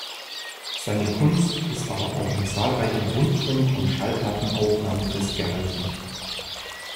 Seine Kunst ist aber auch in zahlreichen Rundfunk- und Schallplattenaufnahmen festgehalten.